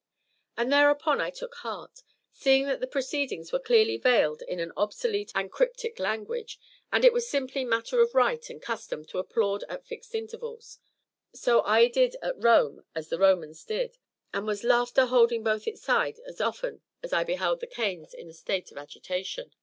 And thereupon I took heart, seeing that the proceedings were clearly veiled in an obsolete and cryptic language, and it was simply matter of rite and custom to applaud at fixed intervals, so I did at Rome as the Romans did, and was laughter holding both his sides as often as I beheld the canes in a state of agitation.